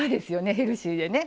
ヘルシーでね。